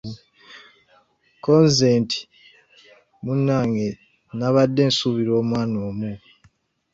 Kko nze nti munnange nabadde nsuubira mwana omu.